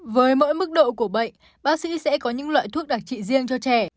với mỗi mức độ của bệnh bác sĩ sẽ có những loại thuốc đặc trị riêng cho trẻ